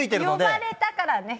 呼ばれたからね。